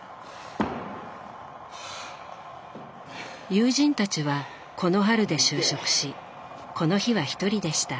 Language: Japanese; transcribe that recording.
友人たちはこの春で就職しこの日は１人でした。